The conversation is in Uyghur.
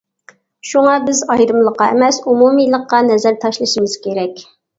شۇڭا بىز ئايرىمىلىققا ئەمەس، ئومۇمىيلىققا نەزەر تاشلىشىمىز كېرەك.